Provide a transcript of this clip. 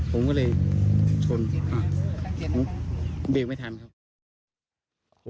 ผมก็เลยชนเบรกไม่ทันครับ